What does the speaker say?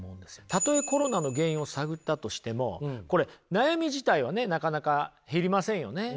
たとえコロナの原因を探ったとしてもこれ悩み自体はねなかなか減りませんよね。